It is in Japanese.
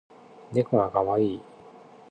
ねこがかわいい